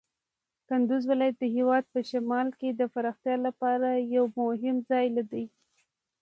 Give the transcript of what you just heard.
کندز ولایت د هېواد په شمال کې د پراختیا لپاره یو مهم ځای دی.